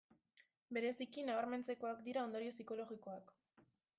Bereziki nabarmentzekoak dira ondorio psikologikoak.